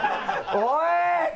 おい！